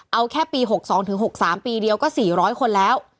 เอาแค่ปี๖๒ถึง๖๓ปีเดียวก็๔๐๐คนแล้ว